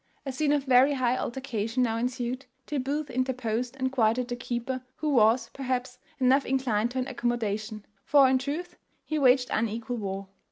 A scene of very high altercation now ensued, till Booth interposed and quieted the keeper, who was, perhaps, enough inclined to an accommodation; for, in truth, he waged unequal war.